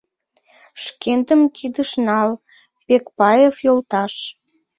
Шкендым кидыш нал, Пекпаев йолташ.